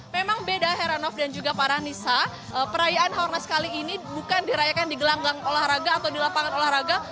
memang beda heranov dan juga para nisa perayaan haornas kali ini bukan dirayakan di gelanggang olahraga atau di lapangan olahraga